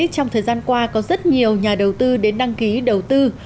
trong thời gian qua có rất nhiều nhà đầu tư đến đăng ký đầu tư